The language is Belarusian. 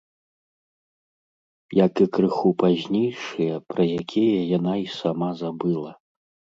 Як і крыху пазнейшыя, пра якія яна і сама забыла.